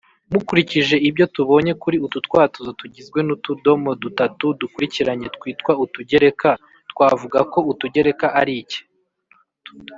mukurikije ibyo tubonye kuri utu twatuzo tugizwe n’utudomo dutatu dukurikiranye twitwa uturegeka (…) twavuga ko uturegeka ari iki?